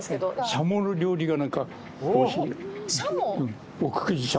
しゃもの料理が、なんかおいしい。